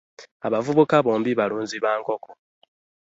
Abavubuka bombi balunzi ba nkoko.